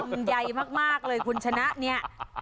ใหญ่มากเลยคุณชนะเนี่ย